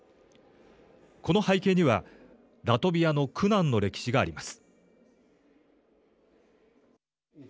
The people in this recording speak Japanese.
この背景には、ラトビアの苦難の歴史があります。